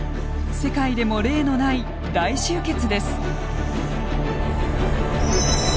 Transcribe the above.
世界でも例のない大集結です。